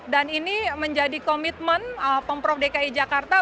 dan ini menjadi komitmen pemprov dki jakarta